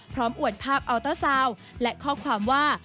พร้อมอวดภาพอัลต้าสาวและข้อความว่า